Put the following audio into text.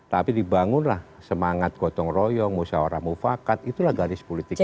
tapi dibangunlah semangat gotong royong musyawarah mufakat itulah garis politik kita